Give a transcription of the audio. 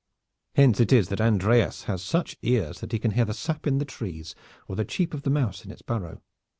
Hence it is that Andreas has such ears that he can hear the sap in the trees or the cheep of the mouse in its burrow.